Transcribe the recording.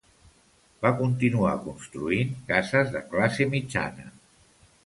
Va continuar construint cases de classe mitjana.